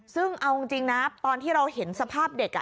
ซึ่งเอาจริงนะตอนที่เราเห็นสภาพเด็ก